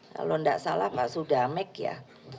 kalau tidak salah pak sudamek ya